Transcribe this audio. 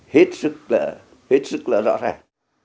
hết sức là rõ ràng